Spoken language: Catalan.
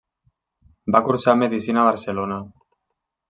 Va cursar medicina a Barcelona.